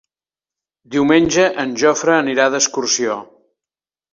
Diumenge en Jofre anirà d'excursió.